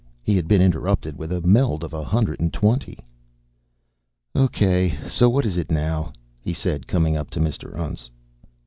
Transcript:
He had been interrupted with a meld of a hundred and twenty. "Okay, so what is it now?" he said, coming up to Mr. Untz. Mr.